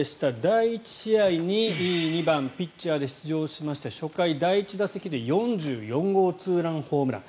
第１試合に２番ピッチャーで出場しまして初回第１打席で４４号ツーランホームラン。